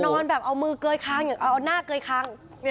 นอนแบบเอามือเกยคางเอาหน้าเกยคาง